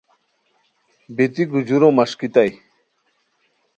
بیتی گوجورو مَݰکیتائے